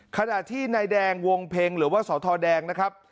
ขณะที่นายแดงวงเพ็งหรือว่าสทแดงนะครับ